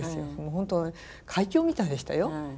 本当怪鳥みたいでしたよ。